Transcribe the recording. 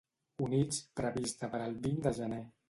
Units, prevista per al vint de gener.